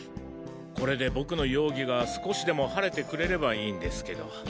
これで僕の容疑が少しでも晴れてくれればいいんですけど。